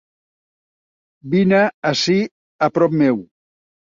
Vine ací, a prop meu.